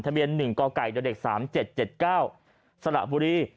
ทะเบียน๑กก๓๗๗๙สระบุรี